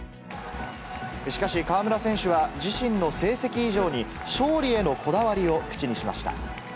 しかし、河村選手は自身の成績以上に勝利へのこだわりを口にしました。